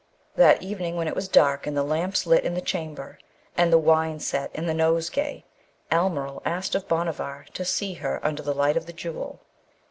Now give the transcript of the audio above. That evening, when it was dark and the lamps lit in the chamber, and the wine set and the nosegay, Almeryl asked of Bhanavar to see her under the light of the Jewel.